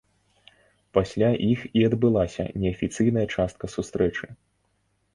Пасля іх і адбылася неафіцыйная частка сустрэчы.